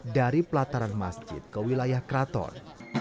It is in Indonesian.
dari pelataran masjid ke wilayah kraton